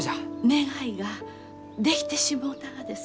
願いができてしもうたがです。